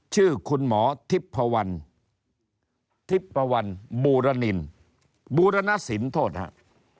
ชื่อคุณหมอทิพพวันทิพปวันบูรณินบูรณสินโทษครับ